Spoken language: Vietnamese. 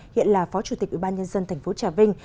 hiện là phó chủ tịch ủy ban nhân dân tp trà vinh